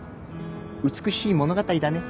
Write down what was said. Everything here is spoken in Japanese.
美しい物語だね。